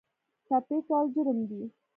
ټپي کول جرم دی.